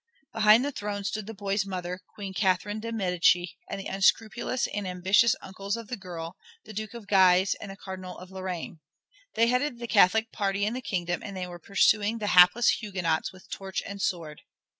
Behind the throne stood the boy's mother, Queen Catherine de' Medici, and the unscrupulous and ambitious uncles of the girl, the Duke of Guise and the Cardinal of Lorraine. They headed the Catholic party in the kingdom and they were pursuing the hapless Huguenots with torch and sword.